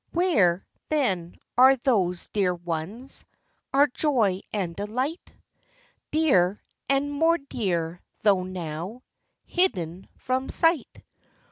Where, then, are those dear ones, Our joy and delight ? Dear, and more dear, though now Hidden from sight.